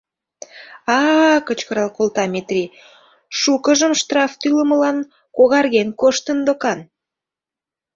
— А-а! — кычкырал колта Метри; шукыжым штраф тӱлымылан когарген коштын докан.